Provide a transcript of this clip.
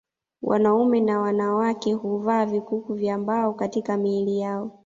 Wanaume na wanawake huvaa vikuku vya mbao katika miili yao